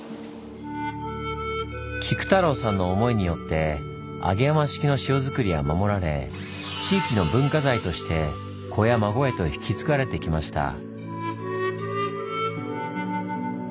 菊太郎さんの思いによって揚浜式の塩作りは守られ地域の文化財として子や孫へと引き継がれてきました。